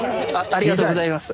ありがとうございます。